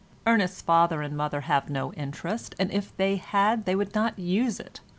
Ernest's father and mother have no interest, and if they had they would not use it.